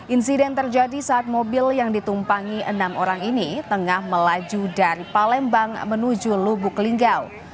insiden terjadi saat mobil yang ditumpangi enam orang ini tengah melaju dari palembang menuju lubuk linggau